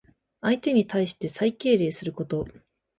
相手に対して最敬礼すること。